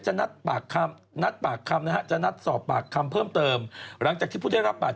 เจ้าหน้าที่ก็ไม่เชื่อหรอกก็เกิดพวกประมาศ